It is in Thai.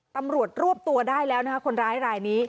ตำรวจรวบตัวได้แล้วนะคะคนร้ายรายนี้